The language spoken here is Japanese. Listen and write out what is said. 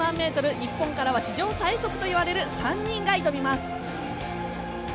日本からは史上最速といわれる３人が挑みます。